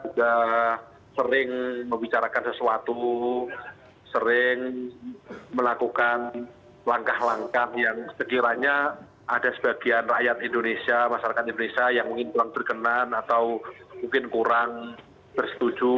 juga sering membicarakan sesuatu sering melakukan langkah langkah yang sekiranya ada sebagian rakyat indonesia masyarakat indonesia yang mungkin kurang berkenan atau mungkin kurang bersetuju